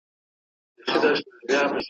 چي ازل نوشته سوی دي اول دئ